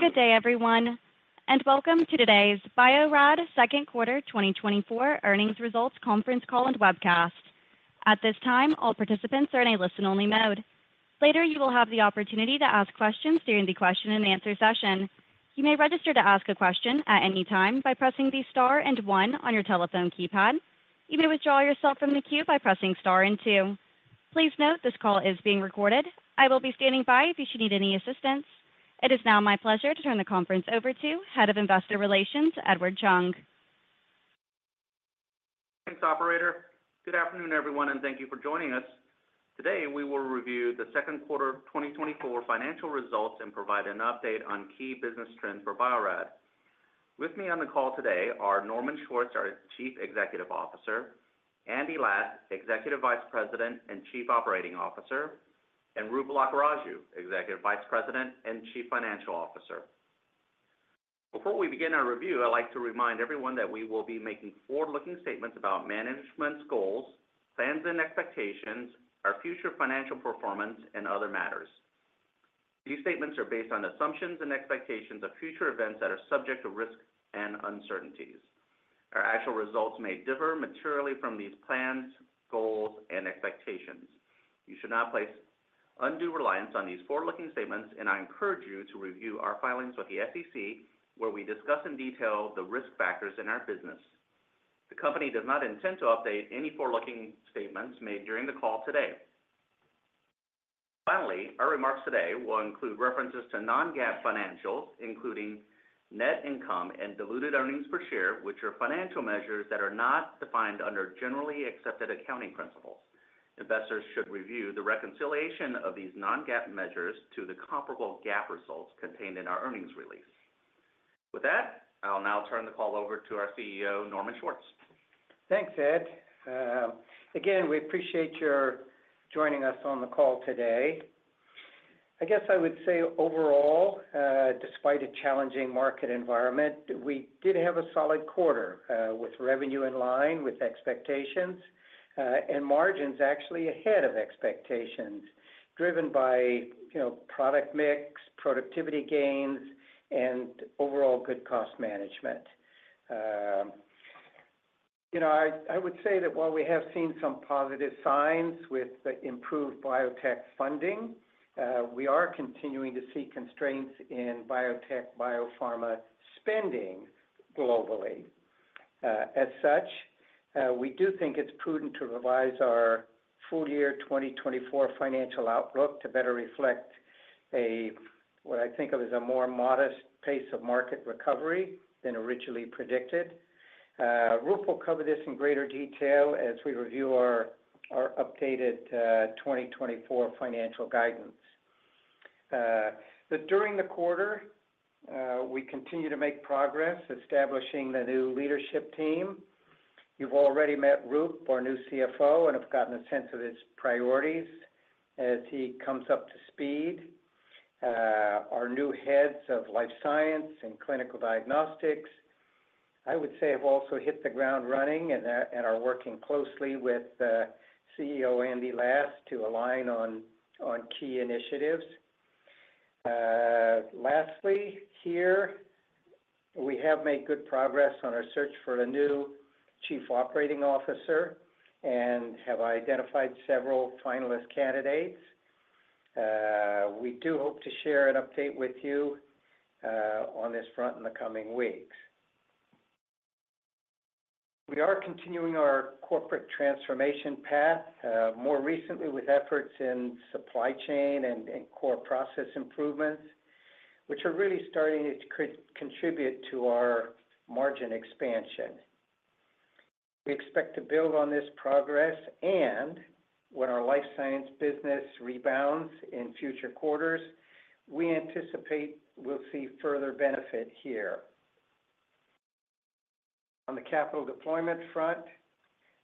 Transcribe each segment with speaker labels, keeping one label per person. Speaker 1: Good day, everyone, and welcome to today's Bio-Rad Q2 2024 earnings results conference call and webcast. At this time, all participants are in a listen-only mode. Later, you will have the opportunity to ask questions during the question-and-answer session. You may register to ask a question at any time by pressing the star and one on your telephone keypad. You may withdraw yourself from the queue by pressing star and two. Please note, this call is being recorded. I will be standing by if you should need any assistance. It is now my pleasure to turn the conference over to Head of Investor Relations, Edward Chung.
Speaker 2: Thanks, operator. Good afternoon, everyone, and thank you for joining us. Today, we will review the Q2 of 2024 financial results and provide an update on key business trends for Bio-Rad. With me on the call today are Norman Schwartz, our Chief Executive Officer. Andy Last, Executive Vice President and Chief Operating Officer. And Roop Lakkaraju, Executive Vice President and Chief Financial Officer. Before we begin our review, I'd like to remind everyone that we will be making forward-looking statements about management's goals, plans, and expectations, our future financial performance, and other matters. These statements are based on assumptions and expectations of future events that are subject to risks and uncertainties. Our actual results may differ materially from these plans, goals, and expectations. You should not place undue reliance on these forward-looking statements, and I encourage you to review our filings with the SEC, where we discuss in detail the risk factors in our business. The company does not intend to update any forward-looking statements made during the call today. Finally, our remarks today will include references to non-GAAP financials, including net income and diluted earnings per share, which are financial measures that are not defined under generally accepted accounting principles. Investors should review the reconciliation of these non-GAAP measures to the comparable GAAP results contained in our earnings release. With that, I'll now turn the call over to our CEO, Norman Schwartz.
Speaker 3: Thanks, Ed. Again, we appreciate your joining us on the call today. I guess I would say overall, despite a challenging market environment, we did have a solid quarter, with revenue in line with expectations, and margins actually ahead of expectations, driven by, you know, product mix, productivity gains, and overall good cost management. You know, I would say that while we have seen some positive signs with the improved biotech funding, we are continuing to see constraints in biotech, biopharma spending globally. As such, we do think it's prudent to revise our full year 2024 financial outlook to better reflect a what I think of as a more modest pace of market recovery than originally predicted. Roop will cover this in greater detail as we review our updated 2024 financial guidance. But during the quarter, we continue to make progress establishing the new leadership team. You've already met Roop, our new CFO, and have gotten a sense of his priorities as he comes up to speed. Our new heads of life science and clinical diagnostics, I would say, have also hit the ground running and are working closely with COO Andy Last to align on key initiatives. Lastly, here, we have made good progress on our search for a new Chief Operating Officer and have identified several finalist candidates. We do hope to share an update with you on this front in the coming weeks. We are continuing our corporate transformation path, more recently with efforts in supply chain and core process improvements, which are really starting to contribute to our margin expansion. We expect to build on this progress, and when our life science business rebounds in future quarters, we anticipate we'll see further benefit here. On the capital deployment front,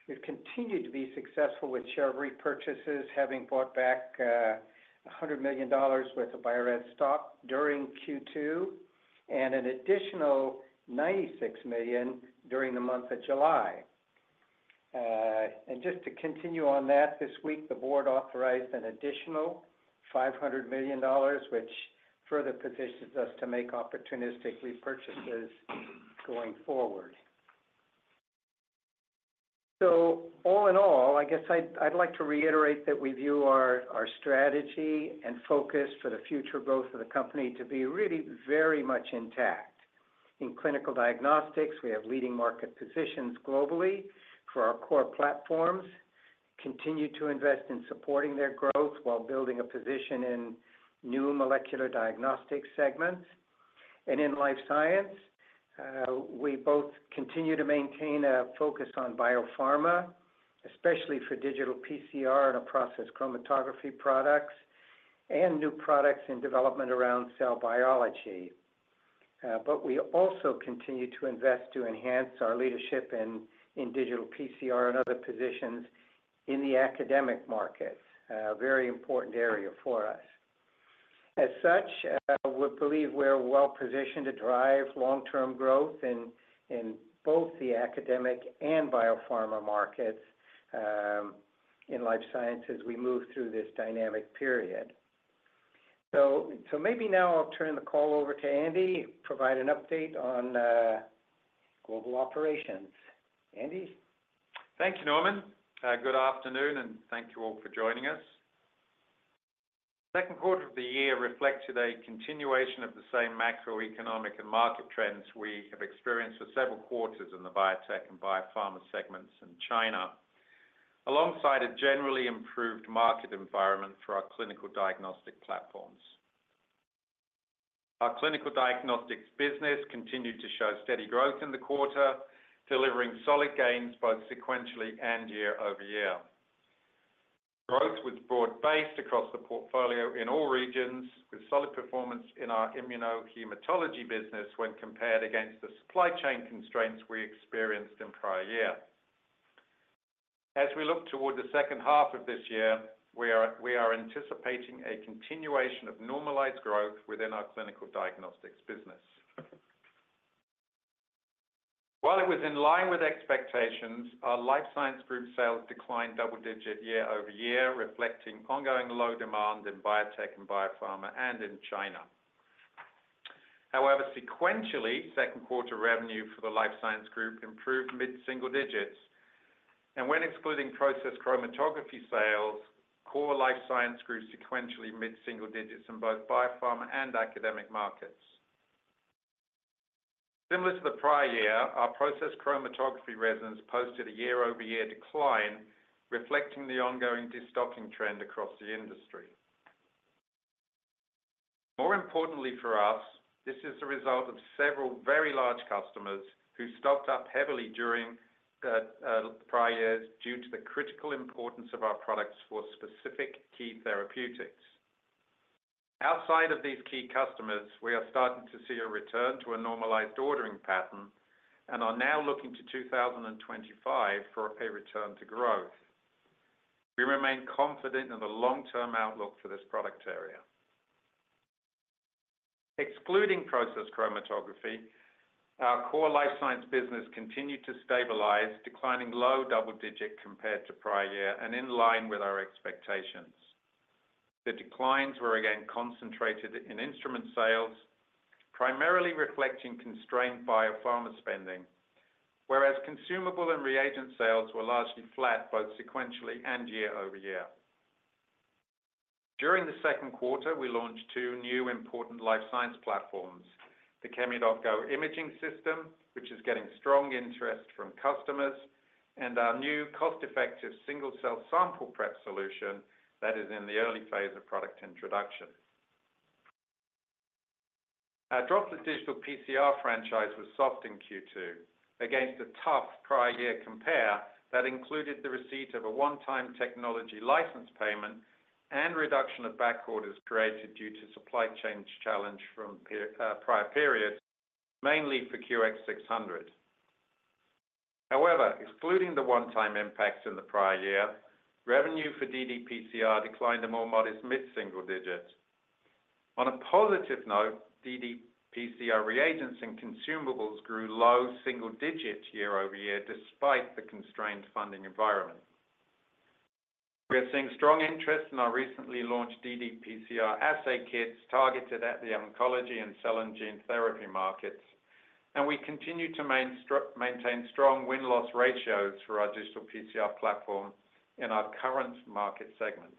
Speaker 3: we've continued to be successful with share repurchases, having bought back $100 million worth of Bio-Rad stock during Q2, and an additional $96 million during the month of July. And just to continue on that, this week, the board authorized an additional $500 million, which further positions us to make opportunistic repurchases going forward. So all in all, I guess I'd, I'd like to reiterate that we view our strategy and focus for the future growth of the company to be really very much intact. In clinical diagnostics, we have leading market positions globally for our core platforms, continue to invest in supporting their growth while building a position in new molecular diagnostics segments. In life science, we both continue to maintain a focus on biopharma, especially for digital PCR and our process chromatography products and new products in development around cell biology. But we also continue to invest to enhance our leadership in, in digital PCR and other positions in the academic market, a very important area for us. As such, we believe we're well positioned to drive long-term growth in, in both the academic and biopharma markets, in life sciences, we move through this dynamic period. So, maybe now I'll turn the call over to Andy, provide an update on global operations. Andy?
Speaker 4: Thank you, Norman. Good afternoon, and thank you all for joining us. Q2 of the year reflected a continuation of the same macroeconomic and market trends we have experienced for several quarters in the biotech and biopharma segments in China, alongside a generally improved market environment for our clinical diagnostic platforms. Our clinical diagnostics business continued to show steady growth in the quarter, delivering solid gains both sequentially and year-over-year. Growth was broad-based across the portfolio in all regions, with solid performance in our immunohematology business when compared against the supply chain constraints we experienced in prior year. As we look toward the H2 of this year, we are, we are anticipating a continuation of normalized growth within our clinical diagnostics business. While it was in line with expectations, our life science group sales declined double-digit year-over-year, reflecting ongoing low demand in biotech and biopharma and in China. However, sequentially, Q2 revenue for the life science group improved mid-single digits, and when excluding process chromatography sales, core life science grew sequentially mid-single digits in both biopharma and academic markets. Similar to the prior year, our process chromatography resins posted a year-over-year decline, reflecting the ongoing de-stocking trend across the industry. More importantly for us, this is a result of several very large customers who stocked up heavily during the prior years due to the critical importance of our products for specific key therapeutics. Outside of these key customers, we are starting to see a return to a normalized ordering pattern and are now looking to 2025 for a return to growth. We remain confident in the long-term outlook for this product area. Excluding process chromatography, our core life science business continued to stabilize, declining low double digits compared to prior year and in line with our expectations. The declines were again concentrated in instrument sales, primarily reflecting constrained biopharma spending, whereas consumable and reagent sales were largely flat, both sequentially and year-over-year. During the Q2, we launched two new important life science platforms, the ChemiDoc Go imaging system, which is getting strong interest from customers, and our new cost-effective single-cell sample prep solution that is in the early phase of product introduction. Our Droplet Digital PCR franchise was soft in Q2 against a tough prior year compare that included the receipt of a one-time technology license payment and reduction of back orders created due to supply chain challenge from prior periods, mainly for QX600. However, excluding the one-time impacts in the prior year, revenue for ddPCR declined a more modest mid-single digits. On a positive note, ddPCR reagents and consumables grew low single digits year-over-year, despite the constrained funding environment. We are seeing strong interest in our recently launched ddPCR assay kits, targeted at the oncology and cell and gene therapy markets, and we continue to maintain strong win-loss ratios for our digital PCR platform in our current market segments.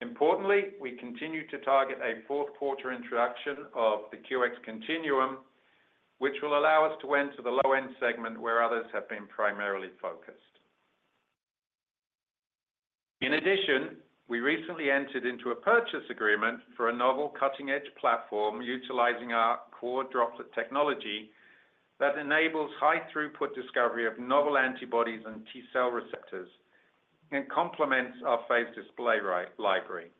Speaker 4: Importantly, we continue to target a Q4 introduction of the QX Continuum, which will allow us to enter the low-end segment where others have been primarily focused. In addition, we recently entered into a purchase agreement for a novel cutting-edge platform utilizing our core droplet technology, that enables high-throughput discovery of novel antibodies and T-cell receptors and complements our Phage Display library.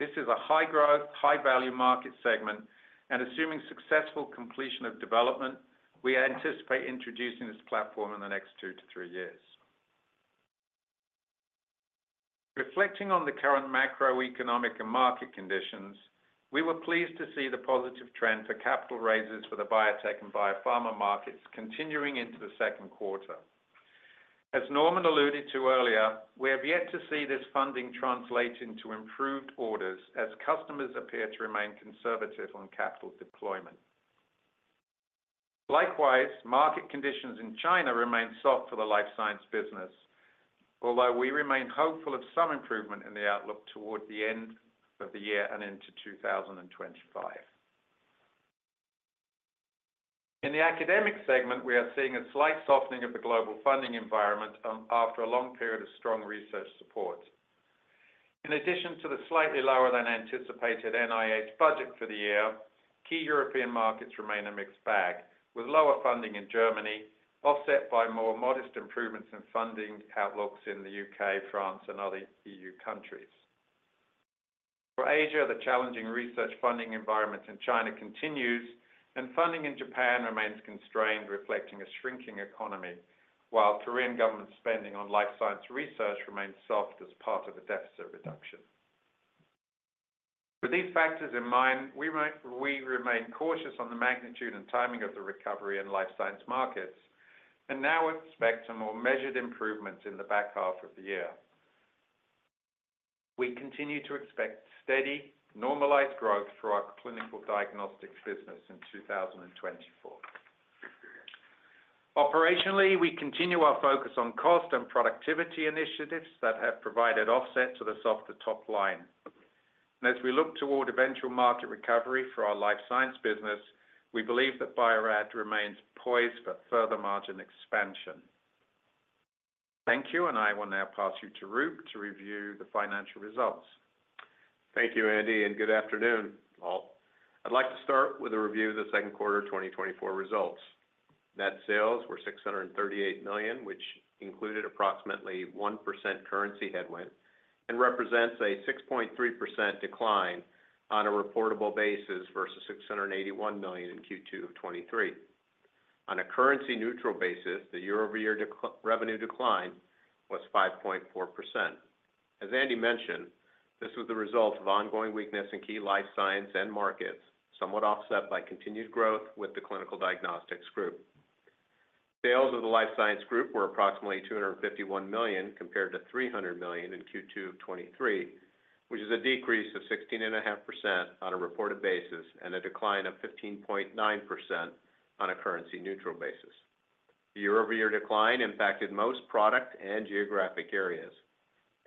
Speaker 4: This is a high-growth, high-value market segment, and assuming successful completion of development, we anticipate introducing this platform in the next 2-3 years. Reflecting on the current macroeconomic and market conditions, we were pleased to see the positive trend for capital raises for the biotech and biopharma markets continuing into the Q2. As Norman alluded to earlier, we have yet to see this funding translate into improved orders, as customers appear to remain conservative on capital deployment. Likewise, market conditions in China remain soft for the life science business, although we remain hopeful of some improvement in the outlook toward the end of the year and into 2025. In the academic segment, we are seeing a slight softening of the global funding environment, after a long period of strong research support. In addition to the slightly lower than anticipated NIH budget for the year, key European markets remain a mixed bag, with lower funding in Germany, offset by more modest improvements in funding outlooks in the U.K., France, and other E.U. countries. For Asia, the challenging research funding environment in China continues, and funding in Japan remains constrained, reflecting a shrinking economy, while Korean government spending on life science research remains soft as part of a deficit reduction… With these factors in mind, we remain cautious on the magnitude and timing of the recovery in life science markets, and now expect some more measured improvements in the back half of the year. We continue to expect steady, normalized growth for our clinical diagnostics business in 2024. Operationally, we continue our focus on cost and productivity initiatives that have provided offset to the softer top line. As we look toward eventual market recovery for our life science business, we believe that Bio-Rad remains poised for further margin expansion. Thank you, and I will now pass you to Roop to review the financial results.
Speaker 5: Thank you, Andy, and good afternoon, all. I'd like to start with a review of the Q2 2024 results. Net sales were $638 million, which included approximately 1% currency headwind and represents a 6.3% decline on a reportable basis versus $681 million in Q2 of 2023. On a currency neutral basis, the year-over-year revenue decline was 5.4%. As Andy mentioned, this was the result of ongoing weakness in key life science end markets, somewhat offset by continued growth with the clinical diagnostics group. Sales of the life science group were approximately $251 million, compared to $300 million in Q2 of 2023, which is a decrease of 16.5% on a reported basis and a decline of 15.9% on a currency neutral basis. The year-over-year decline impacted most product and geographic areas.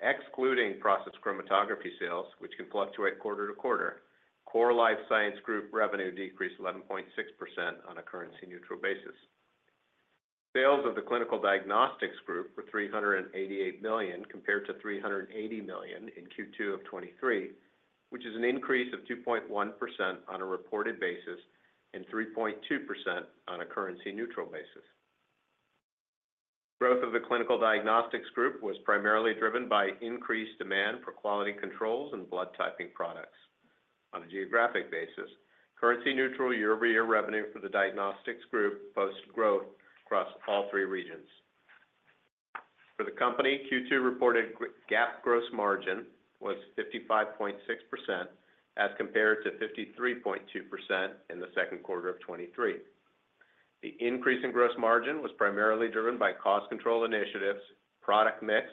Speaker 5: Excluding process chromatography sales, which can fluctuate quarter to quarter, core life science group revenue decreased 11.6% on a currency neutral basis. Sales of the clinical diagnostics group were $388 million, compared to $380 million in Q2 of 2023, which is an increase of 2.1% on a reported basis and 3.2% on a currency neutral basis. Growth of the clinical diagnostics group was primarily driven by increased demand for quality controls and blood typing products. On a geographic basis, currency neutral year-over-year revenue for the diagnostics group posted growth across all three regions. For the company, Q2 reported GAAP gross margin was 55.6%, as compared to 53.2% in the Q2 of 2023. The increase in gross margin was primarily driven by cost control initiatives, product mix,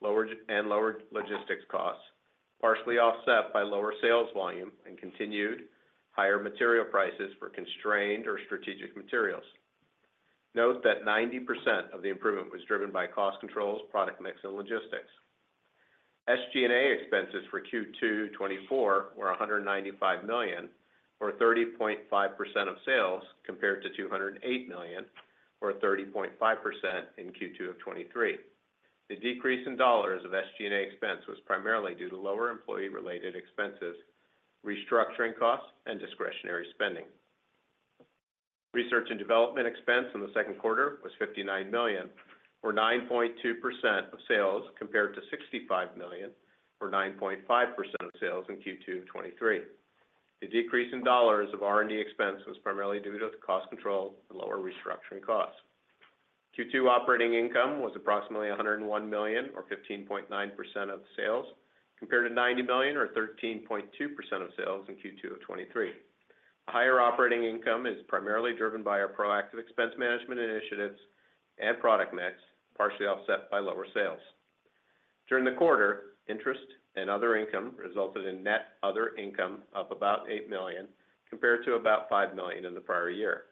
Speaker 5: lower and lower logistics costs, partially offset by lower sales volume and continued higher material prices for constrained or strategic materials. Note that 90% of the improvement was driven by cost controls, product mix, and logistics. SG&A expenses for Q2 2024 were $195 million, or 30.5% of sales, compared to $208 million, or 30.5% in Q2 of 2023. The decrease in dollars of SG&A expense was primarily due to lower employee related expenses, restructuring costs, and discretionary spending. Research and development expense in the Q2 was $59 million, or 9.2% of sales, compared to $65 million, or 9.5% of sales in Q2 of 2023. The decrease in dollars of R&D expense was primarily due to cost control and lower restructuring costs. Q2 operating income was approximately $101 million, or 15.9% of sales, compared to $90 million or 13.2% of sales in Q2 of 2023. A higher operating income is primarily driven by our proactive expense management initiatives and product mix, partially offset by lower sales. During the quarter, interest and other income resulted in net other income of about $8 million, compared to about $5 million in the prior year.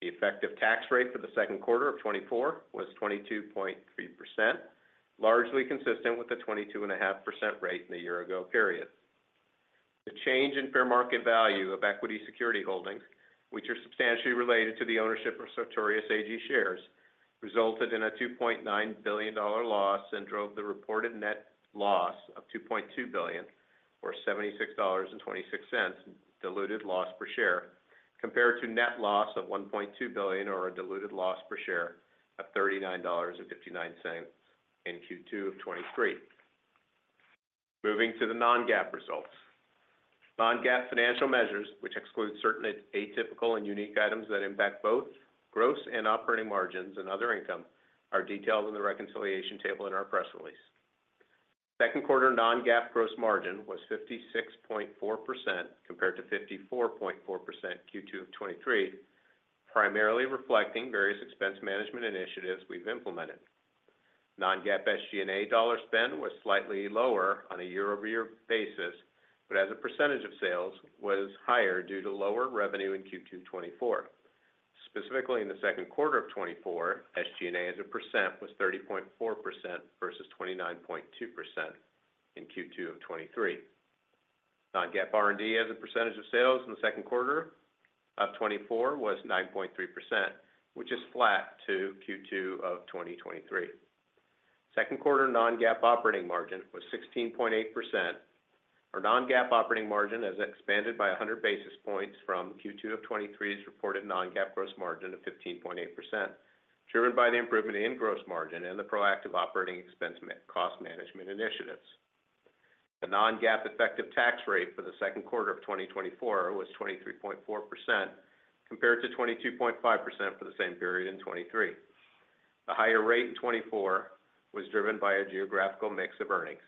Speaker 5: The effective tax rate for the Q2 of 2024 was 22.3%, largely consistent with the 22.5% rate in the year ago period. The change in fair market value of equity security holdings, which are substantially related to the ownership of Sartorius AG shares, resulted in a $2.9 billion loss and drove the reported net loss of $2.2 billion, or $76.26 diluted loss per share, compared to net loss of $1.2 billion or a diluted loss per share of $39.59 in Q2 of 2023. Moving to the non-GAAP results. Non-GAAP financial measures, which exclude certain atypical and unique items that impact both gross and operating margins and other income, are detailed in the reconciliation table in our press release. Q2 non-GAAP gross margin was 56.4%, compared to 54.4% Q2 of 2023, primarily reflecting various expense management initiatives we've implemented. Non-GAAP SG&A dollar spend was slightly lower on a year-over-year basis, but as a percentage of sales was higher due to lower revenue in Q2 2024. Specifically, in the Q2 of 2024, SG&A as a percent was 30.4% versus 29.2% in Q2 of 2023. Non-GAAP R&D as a percentage of sales in the Q2 of 2024 was 9.3%, which is flat to Q2 of 2023. Q2 non-GAAP operating margin was 16.8%, or non-GAAP operating margin has expanded by a hundred basis points from Q2 of 2023's reported non-GAAP gross margin of 15.8%, driven by the improvement in gross margin and the proactive operating expense cost management initiatives. The non-GAAP effective tax rate for the Q2 of 2024 was 23.4%, compared to 22.5% for the same period in 2023. The higher rate in 2024 was driven by a geographical mix of earnings.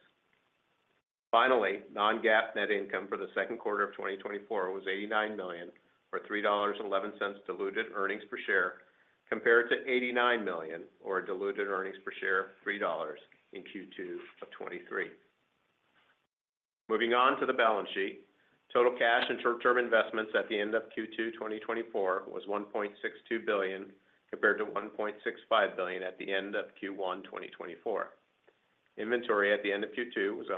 Speaker 5: Finally, non-GAAP net income for the Q2 of 2024 was $89 million, or $3.11 diluted earnings per share, compared to $89 million, or a diluted earnings per share of $3 in Q2 of 2023. Moving on to the balance sheet. Total cash and short-term investments at the end of Q2 2024 was $1.62 billion, compared to $1.65 billion at the end of Q1 2024. Inventory at the end of Q2 was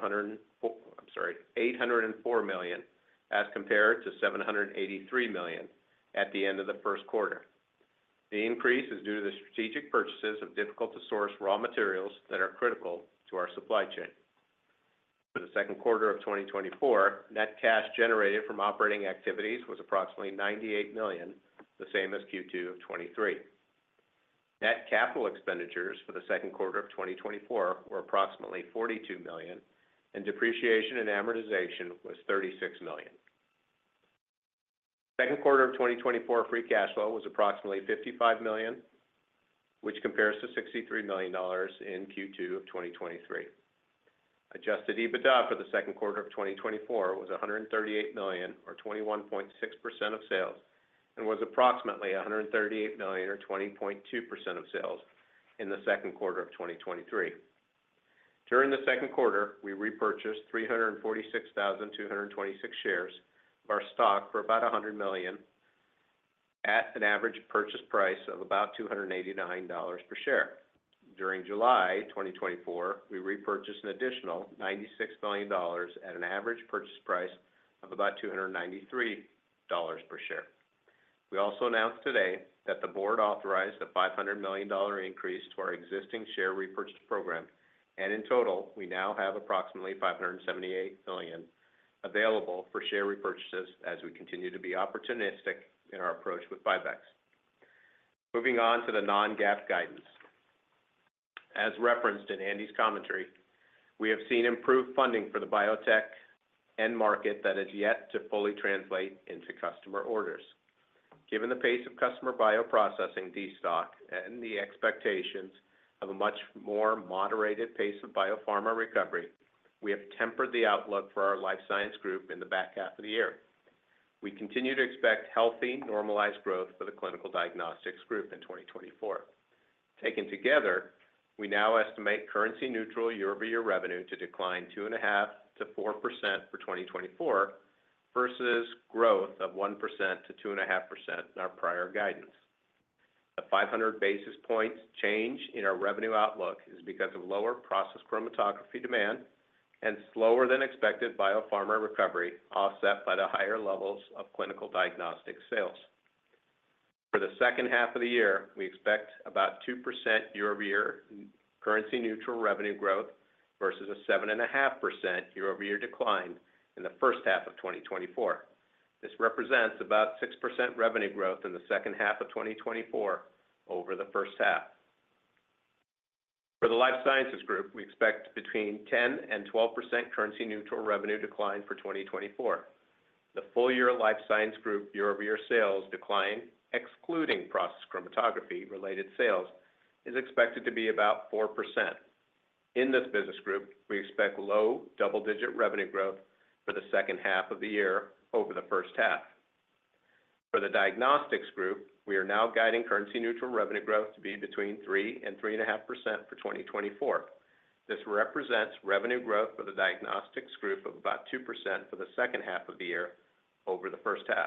Speaker 5: $804 million, as compared to $783 million at the end of the Q1. The increase is due to the strategic purchases of difficult to source raw materials that are critical to our supply chain. For the Q2 of 2024, net cash generated from operating activities was approximately $98 million, the same as Q2 of 2023. Net capital expenditures for the Q2 of 2024 were approximately $42 million, and depreciation and amortization was $36 million. Q2 of 2024, free cash flow was approximately $55 million, which compares to $63 million in Q2 of 2023. Adjusted EBITDA for the Q2 of 2024 was $138 million, or 21.6% of sales, and was approximately $138 million, or 20.2% of sales in the Q2 of 2023. During the Q2, we repurchased 346,226 shares of our stock for about $100 million at an average purchase price of about $289 per share. During July 2024, we repurchased an additional $96 million at an average purchase price of about $293 per share. We also announced today that the board authorized a $500 million increase to our existing share repurchase program, and in total, we now have approximately $578 million available for share repurchases as we continue to be opportunistic in our approach with buybacks. Moving on to the non-GAAP guidance. As referenced in Andy's commentary, we have seen improved funding for the biotech end market that is yet to fully translate into customer orders. Given the pace of customer bioprocessing destock and the expectations of a much more moderated pace of biopharma recovery, we have tempered the outlook for our life science group in the back half of the year. We continue to expect healthy, normalized growth for the clinical diagnostics group in 2024. Taken together, we now estimate currency neutral year-over-year revenue to decline 2.5%-4% for 2024, versus growth of 1%-2.5% in our prior guidance. A 500 basis points change in our revenue outlook is because of lower process chromatography demand and slower than expected biopharma recovery, offset by the higher levels of clinical diagnostic sales. For the H2 of the year, we expect about 2% year-over-year currency neutral revenue growth versus a 7.5% year-over-year decline in the H1 of 2024. This represents about 6% revenue growth in the H2 of 2024 over the H1. For the life sciences group, we expect between 10% and 12% currency neutral revenue decline for 2024. The full year life science group year-over-year sales decline, excluding process chromatography related sales, is expected to be about 4%. In this business group, we expect low double-digit revenue growth for the H2 of the year over the H1. For the diagnostics group, we are now guiding currency neutral revenue growth to be between 3% and 3.5% for 2024. This represents revenue growth for the diagnostics group of about 2% for the H2 of the year over the H1.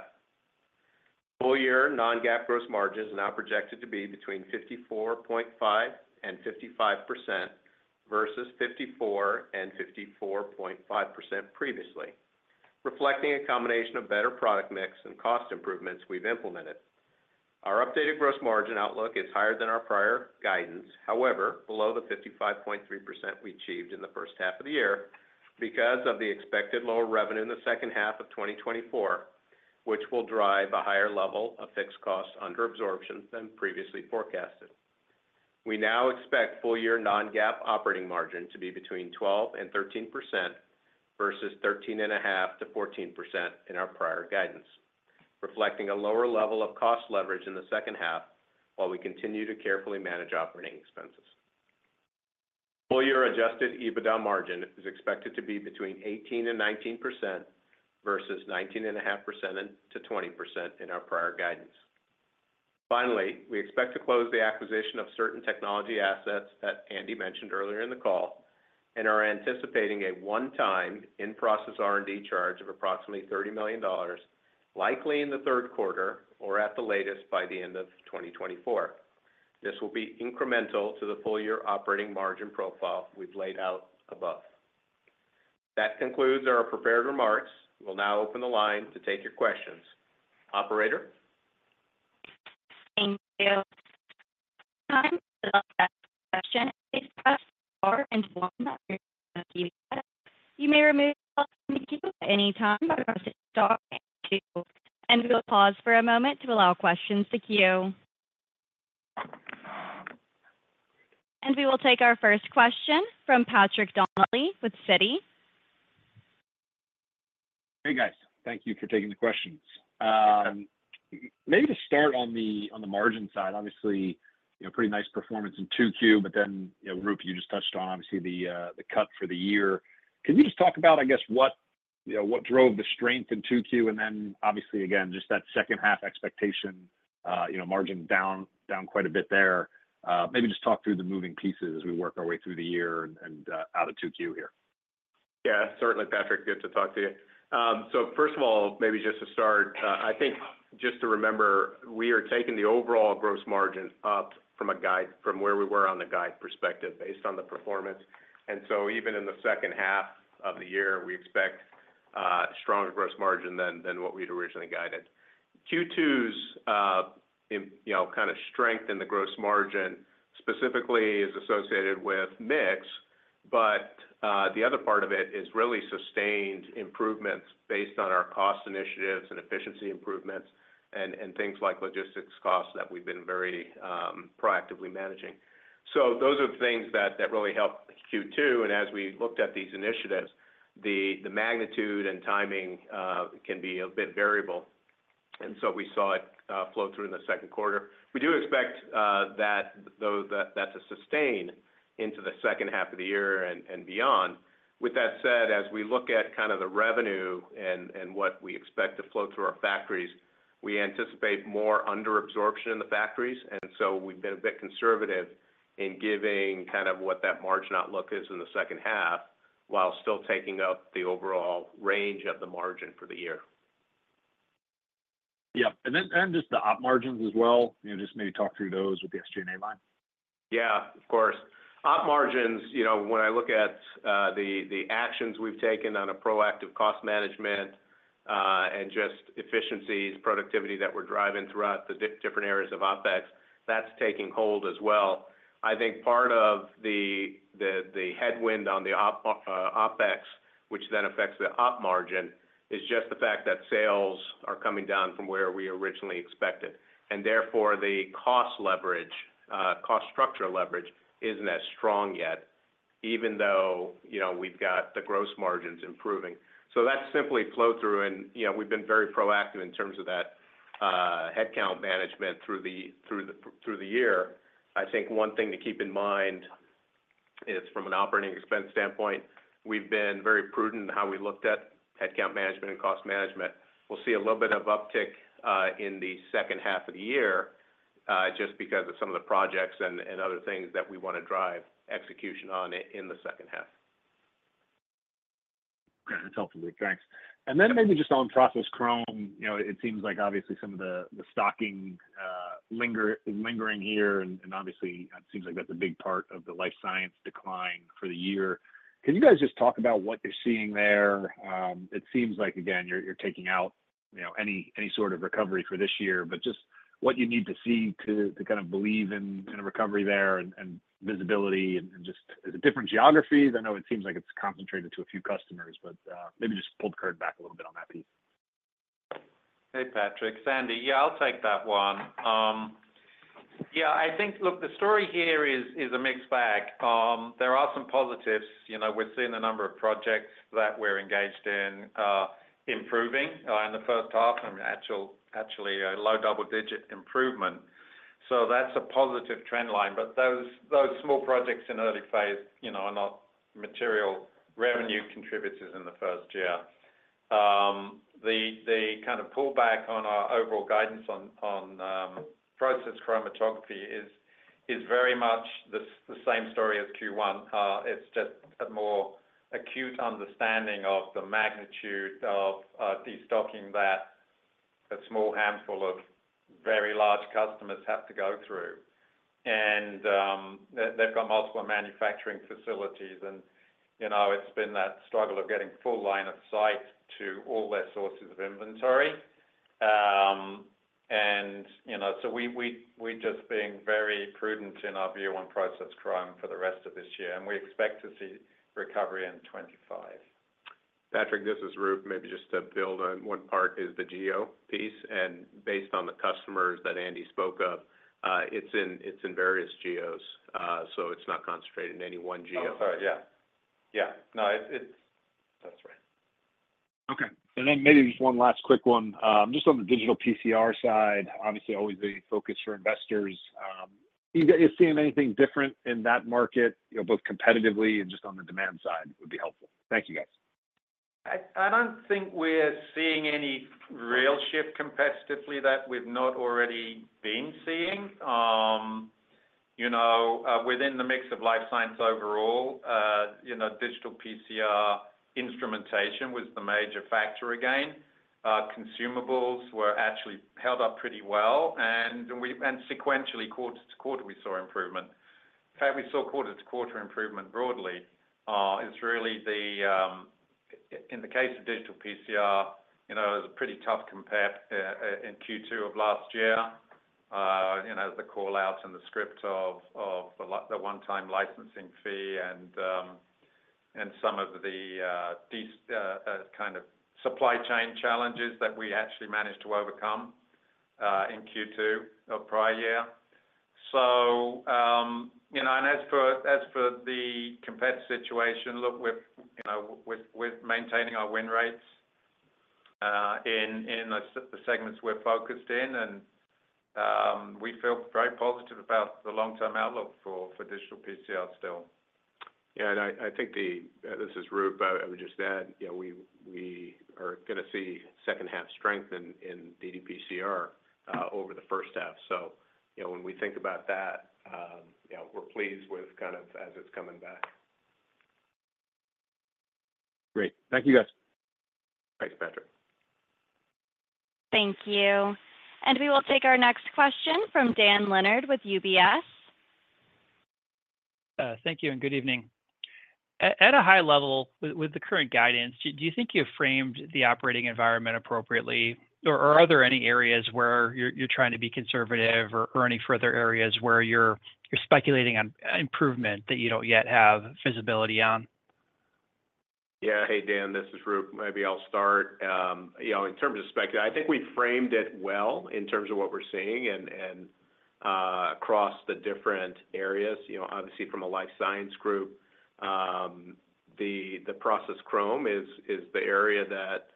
Speaker 5: Full year non-GAAP gross margins are now projected to be between 54.5% and 55% versus 54% and 54.5% previously, reflecting a combination of better product mix and cost improvements we've implemented. Our updated gross margin outlook is higher than our prior guidance, however, below the 55.3% we achieved in the H1 of the year because of the expected lower revenue in the H2 of 2024, which will drive a higher level of fixed costs under absorption than previously forecasted. We now expect full year non-GAAP operating margin to be between 12% and 13% versus 13.5%-14% in our prior guidance, reflecting a lower level of cost leverage in the H2, while we continue to carefully manage operating expenses. Full year adjusted EBITDA margin is expected to be between 18% and 19% versus 19.5%-20% in our prior guidance. Finally, we expect to close the acquisition of certain technology assets that Andy mentioned earlier in the call, and are anticipating a one-time in-process R&D charge of approximately $30 million, likely in the Q3 or at the latest by the end of 2024. This will be incremental to the full year operating margin profile we've laid out above. That concludes our prepared remarks. We'll now open the line to take your questions. Operator?
Speaker 1: Thank you. To ask a question, please press star and one on your keypad. You may remove yourself from the queue at any time by pressing star and two, and we will pause for a moment to allow questions to queue. We will take our first question from Patrick Donnelly with Citi.
Speaker 6: Hey, guys. Thank you for taking the questions. Maybe just start on the margin side. Obviously, you know, pretty nice performance in 2Q, but then, you know, Roop, you just touched on, obviously, the cut for the year. Can you just talk about, I guess, what, you know, what drove the strength in 2Q, and then obviously, again, just that H2 expectation, you know, margin down quite a bit there. Maybe just talk through the moving pieces as we work our way through the year and out of 2Q here.
Speaker 5: Yeah, certainly, Patrick, good to talk to you. So first of all, maybe just to start, I think just to remember, we are taking the overall gross margin up from a guide, from where we were on the guide perspective, based on the performance. And so even in the H2 of the year, we expect stronger gross margin than what we'd originally guided. Q2's, you know, kind of strength in the gross margin, specifically is associated with mix, but the other part of it is really sustained improvements based on our cost initiatives and efficiency improvements and things like logistics costs that we've been very proactively managing. So those are the things that really helped Q2, and as we looked at these initiatives, the magnitude and timing can be a bit variable. And so we saw it flow through in the Q2. We do expect that, though, to sustain into the H2 of the year and beyond. With that said, as we look at kind of the revenue and what we expect to flow through our factories, we anticipate more under absorption in the factories, and so we've been a bit conservative in giving kind of what that margin outlook is in the H2, while still taking up the overall range of the margin for the year.
Speaker 6: Yeah. And then, and just the op margins as well, you know, just maybe talk through those with the SG&A line.
Speaker 5: Yeah, of course. Op margins, you know, when I look at the actions we've taken on a proactive cost management and just efficiencies, productivity that we're driving throughout the different areas of OpEx, that's taking hold as well. I think part of the headwind on the OpEx, which then affects the op margin, is just the fact that sales are coming down from where we originally expected, and therefore, the cost leverage, cost structure leverage, isn't as strong yet, even though, you know, we've got the gross margins improving. So that's simply flow through, and, you know, we've been very proactive in terms of that headcount management through the year. I think one thing to keep in mind is from an operating expense standpoint, we've been very prudent in how we looked at headcount management and cost management. We'll see a little bit of uptick in the H2 of the year just because of some of the projects and other things that we wanna drive execution on in the H2.
Speaker 6: Okay. That's helpful. Thanks. And then maybe just on process chromatography, you know, it seems like obviously some of the, the stocking, lingering here, and, and obviously, it seems like that's a big part of the life science decline for the year. Can you guys just talk about what you're seeing there? It seems like, again, you're, you're taking out, you know, any, any sort of recovery for this year, but just what you need to see to, to kind of believe in, in a recovery there and, and visibility and, and just the different geographies. I know it seems like it's concentrated to a few customers, but, maybe just pull the card back a little bit on that piece.
Speaker 4: Hey, Patrick. It's Andy. Yeah, I'll take that one. Yeah, I think, look, the story here is a mixed bag. There are some positives. You know, we're seeing a number of projects that we're engaged in improving in the H1, and actually a low double-digit improvement. So that's a positive trend line. But those small projects in early phase, you know, are not material revenue contributors in the first year. The kind of pullback on our overall guidance on process chromatography is very much the same story as Q1. It's just a more acute understanding of the magnitude of destocking that a small handful of very large customers have to go through. They've got multiple manufacturing facilities and, you know, it's been that struggle of getting full line of sight to all their sources of inventory. And, you know, so we're just being very prudent in our view on process chrome for the rest of this year, and we expect to see recovery in 2025.
Speaker 5: Patrick, this is Roop. Maybe just to build on one part is the geo piece, and based on the customers that Andy spoke of, it's in, it's in various geos. So it's not concentrated in any one geo.
Speaker 4: I'm sorry. Yeah. Yeah. No, it's, it's - That's right.
Speaker 6: Okay. And then maybe just one last quick one. Just on the digital PCR side, obviously, always a focus for investors. Are you guys seeing anything different in that market, you know, both competitively and just on the demand side? [Your input] would be helpful. Thank you, guys.
Speaker 4: I don't think we're seeing any real shift competitively that we've not already been seeing. You know, within the mix of life science overall, you know, digital PCR instrumentation was the major factor again. Consumables were actually held up pretty well, and sequentially, quarter to quarter, we saw improvement. In fact, we saw quarter to quarter improvement broadly, is really the in the case of digital PCR, you know, it was a pretty tough compare in Q2 of last year. You know, the call out and the script of the one-time licensing fee and some of the these kind of supply chain challenges that we actually managed to overcome in Q2 of prior year. You know, and as for the competitive situation, look, we're, you know, we're maintaining our win rates in the segments we're focused in. And we feel very positive about the long-term outlook for digital PCR still.
Speaker 5: Yeah, and I think this is Roop. I would just add, you know, we are gonna see H2 strength in DDPCR over the H1. So, you know, when we think about that, you know, we're pleased with kind of as it's coming back.
Speaker 6: Great. Thank you, guys.
Speaker 5: Thanks, Patrick.
Speaker 1: Thank you. We will take our next question from Dan Leonard with UBS.
Speaker 7: Thank you, and good evening. At a high level, with the current guidance, do you think you've framed the operating environment appropriately? Or, are there any areas where you're trying to be conservative or any further areas where you're speculating on improvement that you don't yet have visibility on?
Speaker 5: Yeah. Hey, Dan, this is Roop. Maybe I'll start. You know, in terms of spend, I think we framed it well in terms of what we're seeing and across the different areas. You know, obviously, from a life science group, the process chromatography is the area that,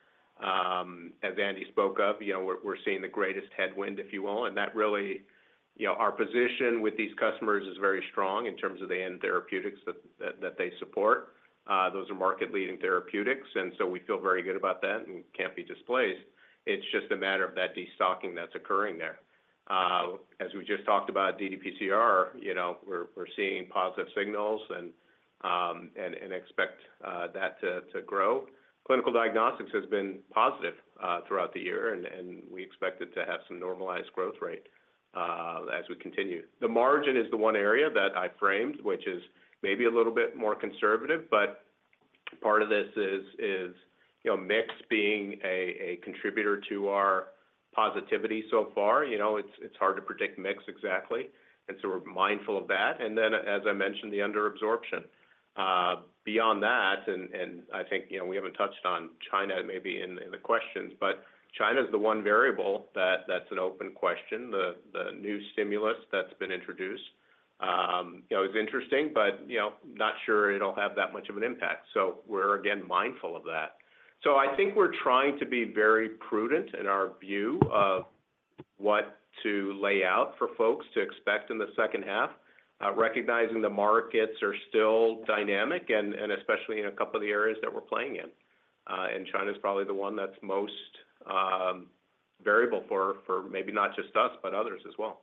Speaker 5: as Andy spoke of, you know, we're seeing the greatest headwind, if you will. And that really, you know, our position with these customers is very strong in terms of the end therapeutics that they support. Those are market-leading therapeutics, and so we feel very good about that, and can't be displaced. It's just a matter of that destocking that's occurring there. As we just talked about ddPCR, you know, we're seeing positive signals and expect that to grow. Clinical diagnostics has been positive throughout the year, and we expect it to have some normalized growth rate as we continue. The margin is the one area that I framed, which is maybe a little bit more conservative, but part of this is, you know, mix being a contributor to our positivity so far. You know, it's hard to predict mix exactly, and so we're mindful of that. And then, as I mentioned, the under absorption. Beyond that, and I think, you know, we haven't touched on China, maybe in the questions, but China is the one variable that's an open question. The new stimulus that's been introduced, you know, is interesting, but you know, not sure it'll have that much of an impact. So we're again, mindful of that. I think we're trying to be very prudent in our view of what to lay out for folks to expect in the H2, recognizing the markets are still dynamic, and especially in a couple of the areas that we're playing in. And China is probably the one that's most variable for maybe not just us, but others as well.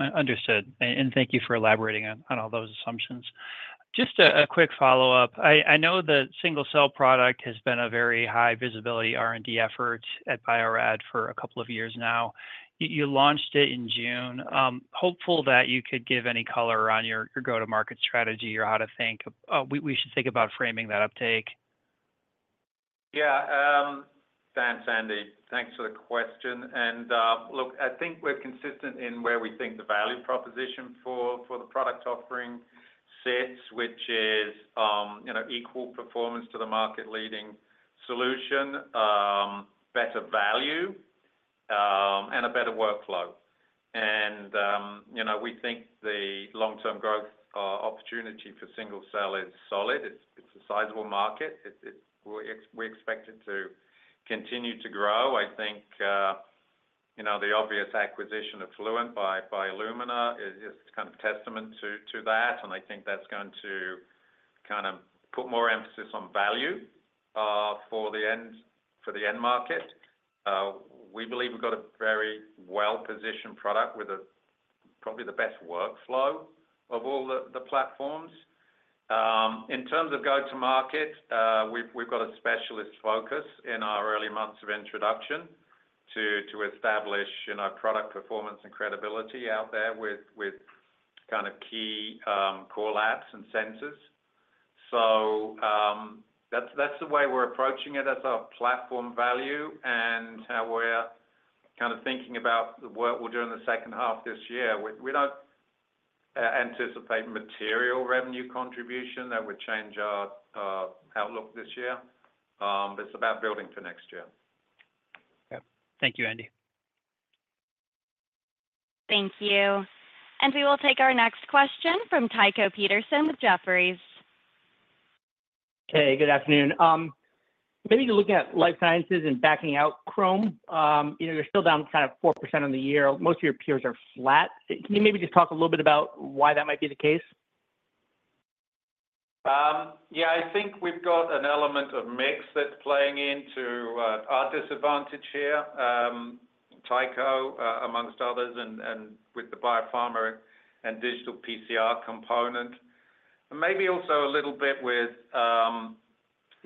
Speaker 5: Yeah.
Speaker 7: Understood. And thank you for elaborating on all those assumptions. Just a quick follow-up. I know the single-cell product has been a very high visibility R&D effort at Bio-Rad for a couple of years now. You launched it in June. Hopeful that you could give any color on your go-to-market strategy or how we should think about framing that uptake.
Speaker 4: Yeah, thanks, Andy. Thanks for the question. And, look, I think we're consistent in where we think the value proposition for the product offering sits, which is, you know, equal performance to the market-leading solution, better value, and a better workflow. And, you know, we think the long-term growth opportunity for single-cell is solid. It's a sizable market. It's we expect it to continue to grow. I think, you know, the obvious acquisition of Fluent by Illumina is kind of testament to that, and I think that's going to kind of put more emphasis on value for the end market. We believe we've got a very well-positioned product with probably the best workflow of all the platforms. In terms of go-to-market, we've got a specialist focus in our early months of introduction to establish, you know, product performance and credibility out there with kind of key core labs and centers. So, that's the way we're approaching it. That's our platform value and how we're kind of thinking about the work we'll do in the H2 this year. We don't anticipate material revenue contribution that would change our outlook this year. But it's about building for next year.
Speaker 7: Yeah. Thank you, Andy.
Speaker 1: Thank you. We will take our next question from Tycho Peterson with Jefferies.
Speaker 8: Hey, good afternoon. Maybe to look at life sciences and backing out chrom, you know, you're still down kind of 4% on the year. Most of your peers are flat. Can you maybe just talk a little bit about why that might be the case?
Speaker 4: Yeah, I think we've got an element of mix that's playing into our disadvantage here. Tycho, among others, and with the biopharma and digital PCR component. Maybe also a little bit with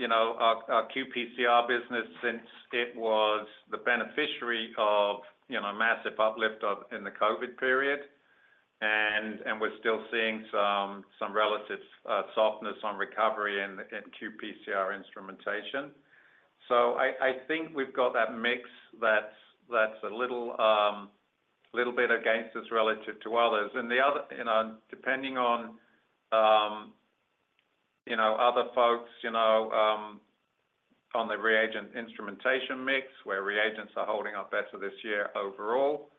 Speaker 4: you know, our qPCR business, since it was the beneficiary of you know, massive uplift in the COVID period. And we're still seeing some relative softness on recovery in qPCR instrumentation. So I think we've got that mix that's a little bit against us relative to others. And the other you know, depending on other folks you know, on the reagent instrumentation mix, where reagents are holding up better this year overall.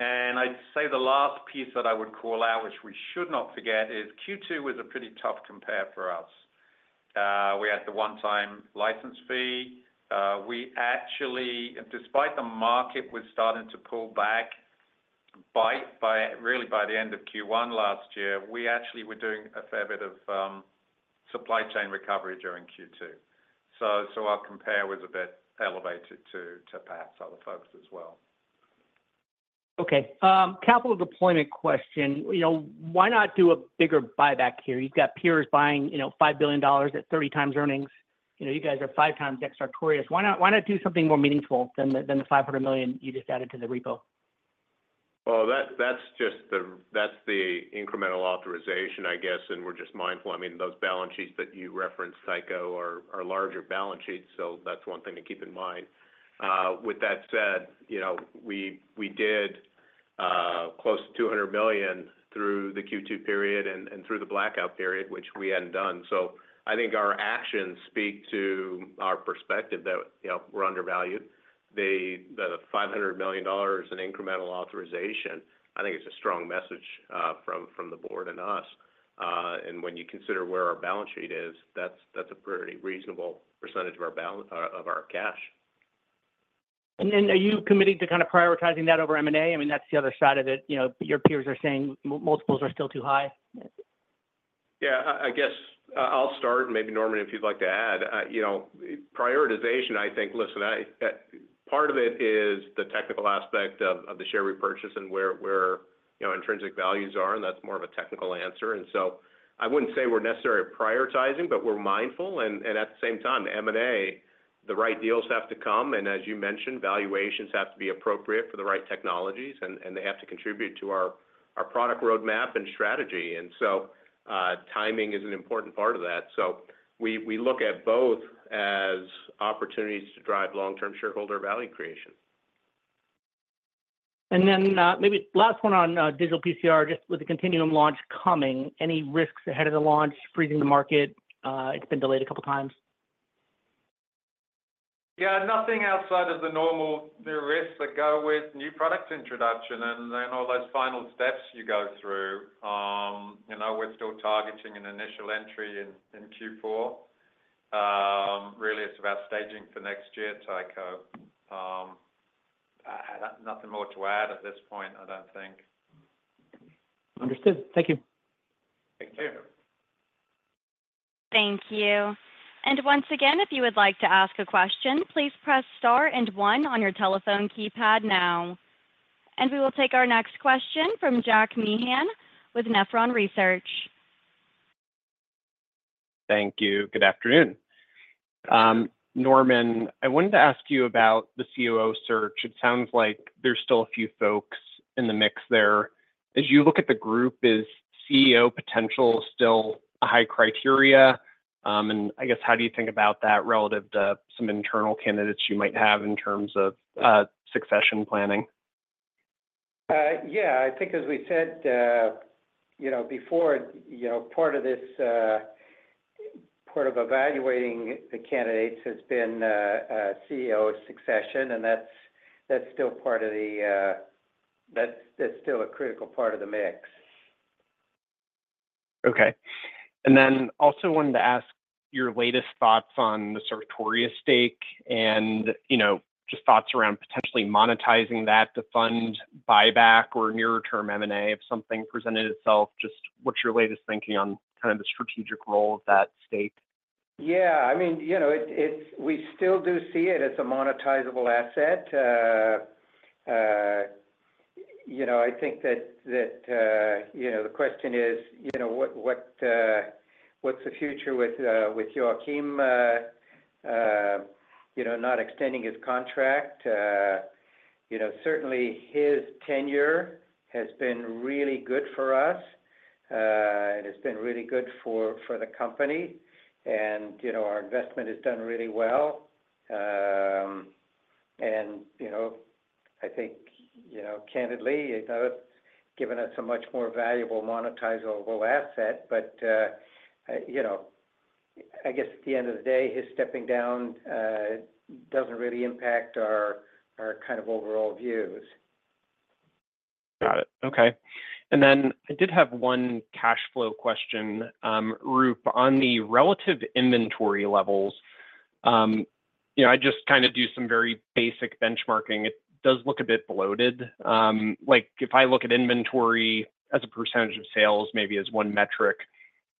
Speaker 4: And I'd say the last piece that I would call out, which we should not forget, is Q2 was a pretty tough compare for us. We had the one-time license fee. We actually, despite the market was starting to pull back really by the end of Q1 last year, we actually were doing a fair bit of supply chain recovery during Q2. Our compare was a bit elevated to perhaps other folks as well.
Speaker 8: Okay, capital deployment question. You know, why not do a bigger buyback here? You've got peers buying, you know, $5 billion at 30 times earnings. You know, you guys are 5 times debt Sartorius. Why not, why not do something more meaningful than the, than the $500 million you just added to the repo?
Speaker 5: Well, that's just the incremental authorization, I guess, and we're just mindful. I mean, those balance sheets that you referenced, Tycho, are larger balance sheets, so that's one thing to keep in mind. With that said, you know, we did close to $200 million through the Q2 period and through the blackout period, which we hadn't done. So I think our actions speak to our perspective that, you know, we're undervalued. The $500 million in incremental authorization, I think it's a strong message from the board and us. And when you consider where our balance sheet is, that's a pretty reasonable percentage of our balance of our cash.
Speaker 8: Then are you committed to kind of prioritizing that over M&A? I mean, that's the other side of it. You know, your peers are saying multiples are still too high.
Speaker 5: Yeah, I guess I'll start, and maybe Norman, if you'd like to add. You know, prioritization, I think, listen, part of it is the technical aspect of the share repurchase and where you know, intrinsic values are, and that's more of a technical answer. And so I wouldn't say we're necessarily prioritizing, but we're mindful. And at the same time, the M&A, the right deals have to come, and as you mentioned, valuations have to be appropriate for the right technologies, and they have to contribute to our product roadmap and strategy. And so, timing is an important part of that. So we look at both as opportunities to drive long-term shareholder value creation.
Speaker 8: And then, maybe last one on, digital PCR, just with the Continuum launch coming, any risks ahead of the launch, freezing the market? It's been delayed a couple of times.
Speaker 4: Yeah, nothing outside of the normal, the risks that go with new products introduction and then all those final steps you go through. You know, we're still targeting an initial entry in Q4. Really, it's about staging for next year, Tycho. Nothing more to add at this point, I don't think.
Speaker 8: Understood. Thank you.
Speaker 4: Thank you.
Speaker 1: Thank you. Once again, if you would like to ask a question, please press star and one on your telephone keypad now. We will take our next question from Jack Meehan with Nephron Research.
Speaker 9: Thank you. Good afternoon. Norman, I wanted to ask you about the COO search. It sounds like there's still a few folks in the mix there. As you look at the group, is CEO potential still a high criteria? And I guess, how do you think about that relative to some internal candidates you might have in terms of, succession planning?
Speaker 3: Yeah, I think as we said, you know, before, you know, part of this, part of evaluating the candidates has been a CEO succession, and that's, that's still part of the. That's, that's still a critical part of the mix.
Speaker 9: Okay. Then also wanted to ask your latest thoughts on the Sartorius stake and, you know, just thoughts around potentially monetizing that to fund buyback or near-term M&A if something presented itself. Just what's your latest thinking on kind of the strategic role of that stake?
Speaker 3: Yeah, I mean, you know, we still do see it as a monetizable asset. You know, I think that you know, the question is, you know, what's the future with Joachim you know, not extending his contract? You know, certainly his tenure has been really good for us, and it's been really good for the company. And, you know, our investment has done really well. And, you know, I think, you know, candidly, it has given us a much more valuable monetizable asset. But, you know, I guess at the end of the day, his stepping down doesn't really impact our kind of overall views.
Speaker 9: Got it. Okay. And then I did have one cash flow question. Roop, on the relative inventory levels, you know, I just kind of do some very basic benchmarking. It does look a bit bloated. Like, if I look at inventory as a percentage of sales, maybe as one metric,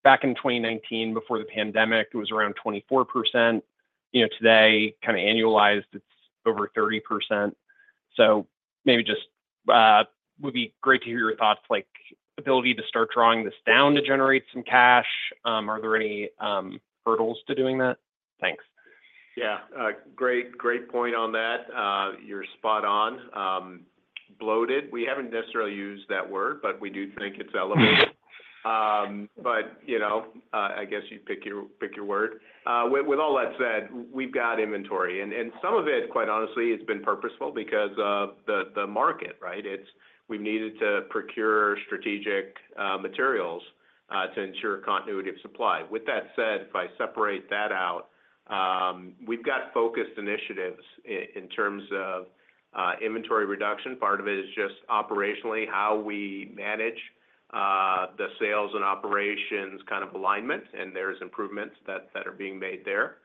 Speaker 9: back in 2019, before the pandemic, it was around 24%. You know, today, kind of annualized, it's over 30%. So maybe just, would be great to hear your thoughts, like, ability to start drawing this down to generate some cash. Are there any, hurdles to doing that? Thanks.
Speaker 5: Yeah. Great, great point on that. You're spot on. Bloated, we haven't necessarily used that word, but we do think it's elevated. But, you know, I guess you pick your, pick your word. With all that said, we've got inventory, and some of it, quite honestly, has been purposeful because of the market, right? It's we needed to procure strategic materials to ensure continuity of supply. With that said, if I separate that out, we've got focused initiatives in terms of inventory reduction. Part of it is just operationally how we manage the sales and operations kind of alignment, and there's improvements that are being made there.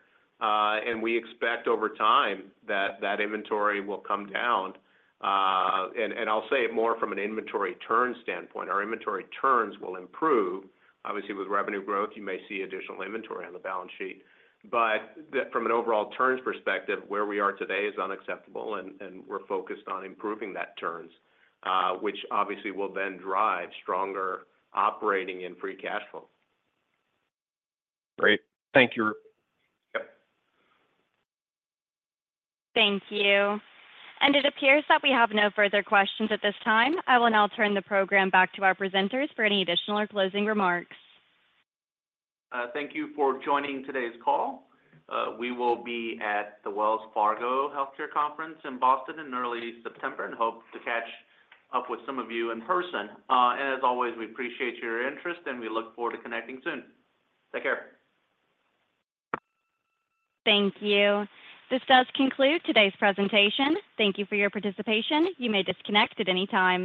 Speaker 5: And we expect over time that inventory will come down. And I'll say it more from an inventory turn standpoint, our inventory turns will improve. Obviously, with revenue growth, you may see additional inventory on the balance sheet. But from an overall turns perspective, where we are today is unacceptable, and we're focused on improving that turns, which obviously will then drive stronger operating and free cash flow.
Speaker 9: Great. Thank you, Roop.
Speaker 5: Yep.
Speaker 1: Thank you. It appears that we have no further questions at this time. I will now turn the program back to our presenters for any additional or closing remarks.
Speaker 3: Thank you for joining today's call. We will be at the Wells Fargo Healthcare Conference in Boston in early September, and hope to catch up with some of you in person. As always, we appreciate your interest, and we look forward to connecting soon. Take care.
Speaker 1: Thank you. This does conclude today's presentation. Thank you for your participation. You may disconnect at any time.